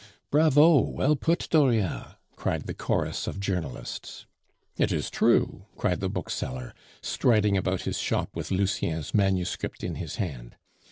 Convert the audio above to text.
"Bravo! well put, Dauriat," cried the chorus of journalists. "It is true!" cried the bookseller, striding about his shop with Lucien's manuscript in his hand.